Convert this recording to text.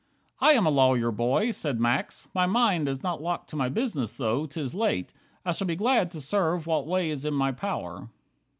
"I am a lawyer, boy," said Max, "my mind Is not locked to my business, though 'tis late. I shall be glad to serve what way is in my power.